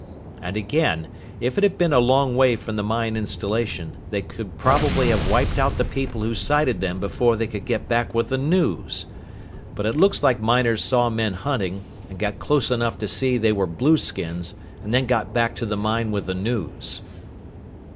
"And again, if it had been a long way from the mine installation, they could probably have wiped out the people who sighted them before they could get back with the news! But it looks like miners saw men hunting, and got close enough to see they were blueskins, and then got back to the mine with the news!"